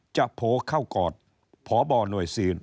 โผล่เข้ากอดพบหน่วยซีน